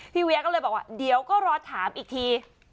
เวียก็เลยบอกว่าเดี๋ยวก็รอถามอีกที